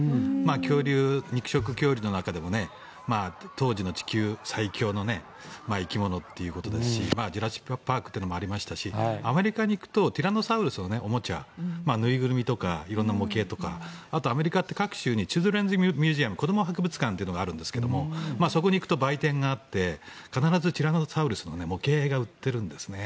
恐竜、肉食恐竜の中でも当時の地球最強の生き物ということですし「ジュラシック・パーク」というのもありましたしアメリカに行くとティラノサウルスのおもちゃ縫いぐるみとか色んな模型とかあと、アメリカって各地に子ども博物館というのがあるんですがそこに行くと売店があって必ずティラノサウルスの模型が売ってるんですね。